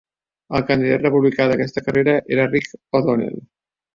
El candidat republicà d'aquesta carrera era Rick O'Donnell.